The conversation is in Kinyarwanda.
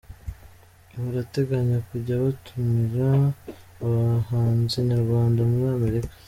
Barateganya kujya batumira abahanzi nyarwanda muri Amerika.